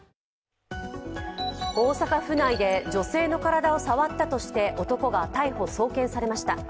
大阪府内で女性の体を触ったとして男が逮捕・送検されました。